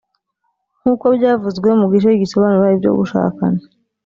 nkuko byavuzwe mu gice gisobanura ibyo gushakana;